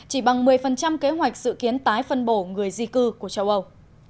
chỉ bằng một mươi kế hoạch dự kiến tái phân bổ người di cư của châu âu